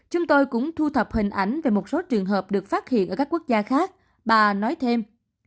chúng tôi cũng thu thập hình ảnh về một số trường hợp được phát hiện ở các quốc gia khác bà nói thêm